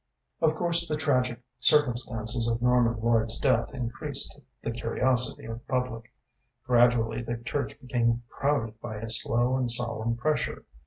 Of course the tragic circumstances of Norman Lloyd's death increased the curiosity of the public. Gradually the church became crowded by a slow and solemn pressure.